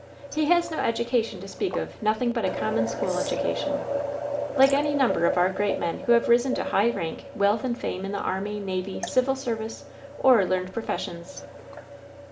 "He has no education to speak of — ^nothing but a com mon school education !" "Like any number of our great men who have risen to high rank, wealth and fame in the army, navy, civil service, or learned professions."